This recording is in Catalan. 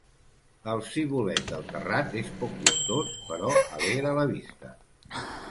El cibulet del terrat és poc gustós, però alegra la vista.